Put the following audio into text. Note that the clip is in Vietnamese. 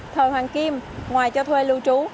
thời hoàng kim ngoài cho thuê lưu trú